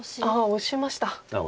オシました。